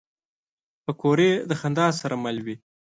پکورې د خندا سره مل وي